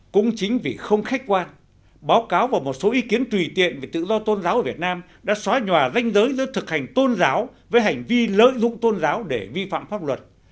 cũng chính vì không khách quan báo cáo và một số ý kiến tùy tiện về tự do tôn giáo ở việt nam đã xóa nhòa ranh giới giữa thực hành tôn giáo với hành vi lợi dụng tôn giáo để vi phạm pháp luật